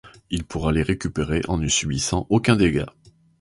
Il pourra les récupérer en ne subissant aucun dégâts.